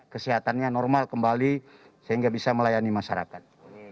kesehatannya normal kembali sehingga bisa melayani masyarakat